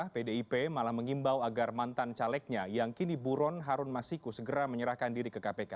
pdip malah mengimbau agar mantan calegnya yang kini buron harun masiku segera menyerahkan diri ke kpk